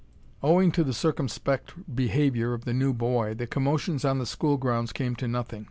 Owing to the circumspect behavior of the new boy, the commotions on the school grounds came to nothing.